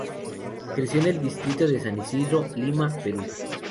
Creció en el distrito de San Isidro, Lima, Perú.